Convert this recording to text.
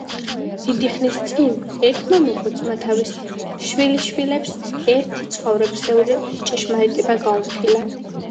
დიდი ხნის წინ ერთმა მოხუცმა თავის შვილიშვილს ერთი ცხოვრებისეული ჭეშმარიტება გაუმხილა.